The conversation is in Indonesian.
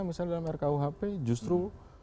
misalnya dalam rkuhp justru